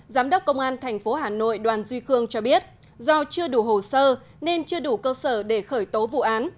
giám đốc công an tp hà nội đoàn duy khương cho biết do chưa đủ hồ sơ nên chưa đủ cơ sở để khởi tố vụ án